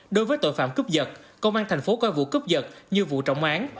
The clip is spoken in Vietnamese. đối với tội phạm cướp vật công an tp hcm coi vụ cướp vật như vụ trọng án